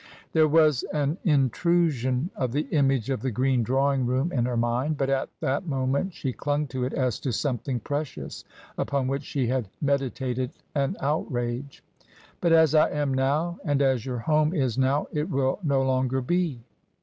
There was an intrusion of the image of the green drawing room in her mind. But at that moment she clung to it as to something precious upon which she had meditated an outrage. " But as I am now, and as your home is now, it will no longer be."